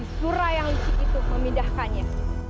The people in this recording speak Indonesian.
si surah yang luci itu memindahkannya